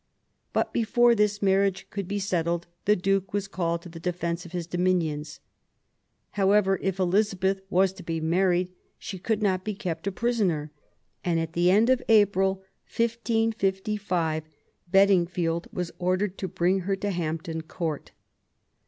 But before this marriage could be settled, the Duke was called to the defence of his dominions. However, if Elizabeth was to be married, she could not be kept a prisoner ; and at the end of April, 1555, Bedingfield was ordered to bring her to Hampton Court.